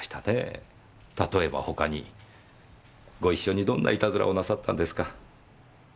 例えば他にご一緒にどんな悪戯をなさったんですか？